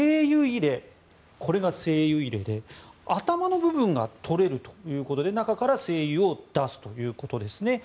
この聖油入れは頭の部分が取れるということで中から聖油を出すということですね。